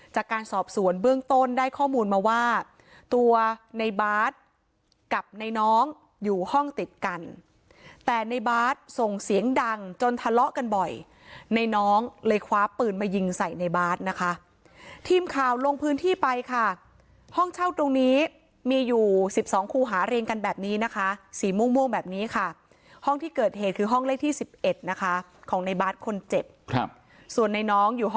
จากการสอบสวนเบื้องต้นได้ข้อมูลมาว่าตัวในบาสกับในน้องอยู่ห้องติดกันแต่ในบาสส่งเสียงดังจนทะเลาะกันบ่อยในน้องเลยคว้าปืนมายิงใส่ในบาสนะคะทีมข่าวลงพื้นที่ไปค่ะห้องเช่าตรงนี้มีอยู่สิบสองคู่หาเรียงกันแบบนี้นะคะสีม่วงแบบนี้ค่ะห้องที่เกิดเหตุคือห้องเลขที่๑๑นะคะของในบาร์ดคนเจ็บครับส่วนในน้องอยู่